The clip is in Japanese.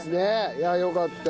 いやよかった。